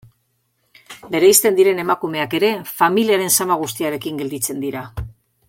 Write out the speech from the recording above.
Bereizten diren emakumeak ere, familiaren zama guztiarekin gelditzen dira.